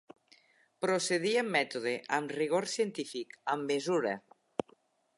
Procedir amb mètode, amb rigor científic, amb mesura.